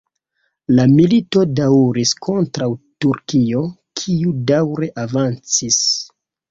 La milito daŭris kontraŭ Turkio, kiu daŭre avancis.